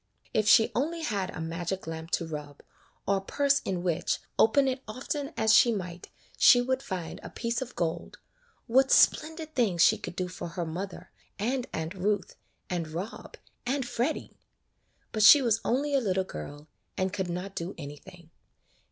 If she only had a magic lamp to rub, or purse in which, open it often as she [31J AN EASTER LILY might, she would find a piece of gold, what splendid things she could do for her mother, and Aunt Ruth, and Rob, and Freddy! But she was only a little girl, and could not do anything.